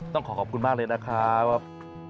ต้องขอขอบคุณมากเลยนะครับ